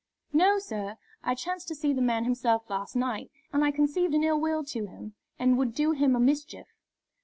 "No, sir. I chanced to see the man himself last night, and I conceived an ill will to him, and would do him a mischief."